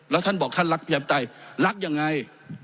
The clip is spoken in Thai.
แล้วท่านบอกท่านรักประชาปไตยรักยังไง